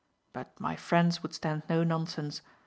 But my friends would stand no nonsense.